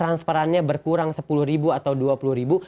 kalau pengetahuan nya berkurang sepuluh ribu atau dua puluh ribu